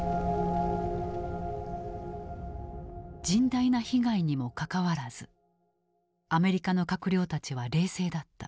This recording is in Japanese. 甚大な被害にもかかわらずアメリカの閣僚たちは冷静だった。